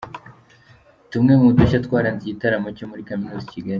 Tumwe mu dushya twaranze igitaramo cyo muri kaminuza iKigali